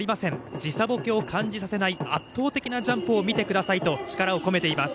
時差ぼけを感じさせない、圧倒的なジャンプを見てくださいと力を込めています。